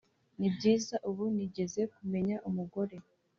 nibyiza ubu nigeze kumenya umugore